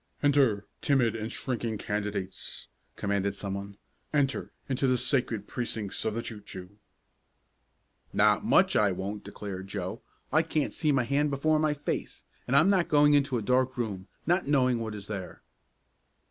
"Enter, timid and shrinking candidates," commanded some one. "Enter into the sacred precincts of the Choo Choo." "Not much I won't!" declared Joe. "I can't see my hand before my face, and I'm not going into a dark room, not knowing what is there."